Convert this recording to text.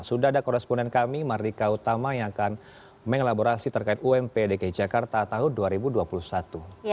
sudah ada koresponden kami mardika utama yang akan mengelaborasi terkait ump dki jakarta tahun dua ribu dua puluh satu